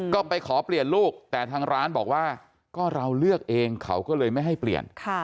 ก็ไปขอเปลี่ยนลูกแต่ทางร้านบอกว่าก็เราเลือกเองเขาก็เลยไม่ให้เปลี่ยน